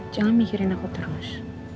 jangan mikirin aku terus